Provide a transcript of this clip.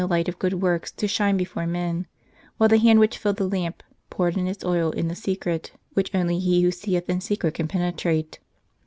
light of good works to shine' before men, while the hand which filled the lamp, poured in its oil in the secret, which only He who seeth in secret can penetrate.